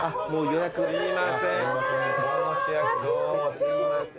すいません。